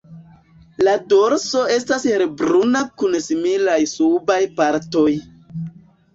La dorso estas helbruna kun similaj subaj partoj.